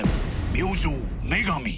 明星麺神。